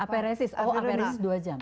aparesis oh apris dua jam